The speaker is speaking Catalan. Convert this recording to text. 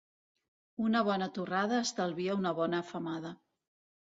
Una bona torrada estalvia una bona femada.